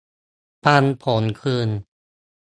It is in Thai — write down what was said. ปันผลคืน